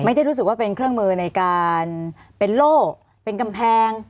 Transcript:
ไม่ได้รู้สึกว่าเป็นเครื่องมือในการเป็นโล่เป็นกำแพง